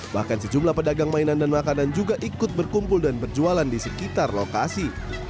bahkan sejumlah pedagang mainan dan makanan juga ikut berkumpul dan berjualan di sekitar lokasi